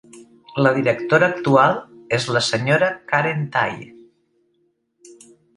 La directora actual és la sra. Karen Tay.